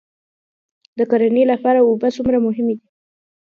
د کرنې لپاره اوبه څومره مهمې دي؟